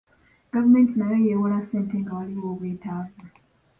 Gavumenti nayo yeewola ssente nga waliwo obwetaavu.